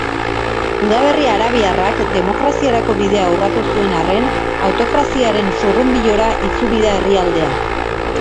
Udaberri arabiarrak demokraziarako bidea urratu zuen arren, autokraziaren zurrunbilora itzuli da herrialdea.